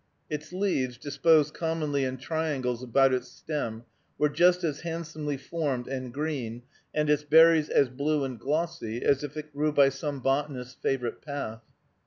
Its leaves, disposed commonly in triangles about its stem, were just as handsomely formed and green, and its berries as blue and glossy, as if it grew by some botanist's favorite path.